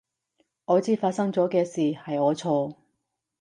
我知發生咗嘅事係我錯